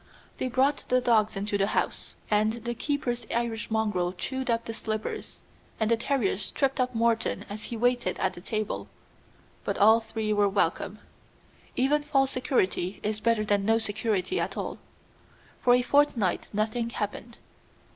They brought the dogs into the house, and the keeper's Irish mongrel chewed up the slippers, and the terriers tripped up Morton as he waited at table; but all three were welcome. Even false security is better than no security at all. For a fortnight nothing happened.